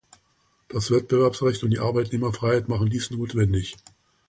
Das Wettbewerbsrecht und die Arbeitnehmerfreiheit machen dies notwendig.